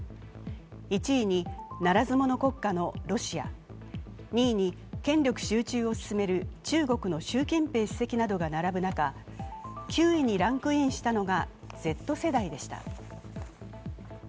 １位に、ならず者国家のロシア、２位に権力集中を進める中国の習近平主席などが並ぶ中、９位にランクインしたのがＺ世代でした。